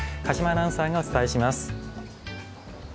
鹿島アナウンサーがお伝えします。